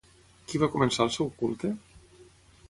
Qui va començar el seu culte?